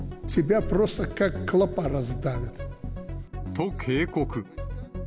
と、警告。